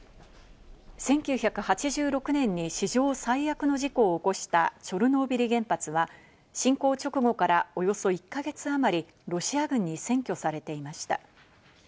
１９８６年に史上最悪の事故を起こしたチョルノービリ原発は侵攻直後からおよそ１か月あまりロシア軍に占拠されていました。